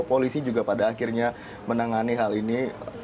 polisi juga pada akhirnya menangani hal ini